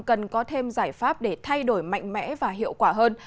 dùng giải pháp để thay đổi mạnh mẽ và hiệu quả hơn